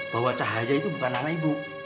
bahwa cahaya itu bukan nama ibu